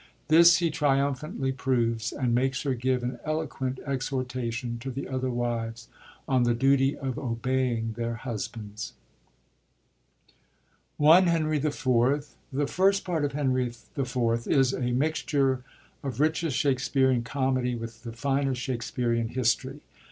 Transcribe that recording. This he triumphantly proves, and makes her give an eloquent exhortation to the others' wives on the duty of obeying their husbands. 1 Henry IV. — The First Part of Henry IV. is a mixture of richest Shaksperean Comedy with the finest Shaksperean History.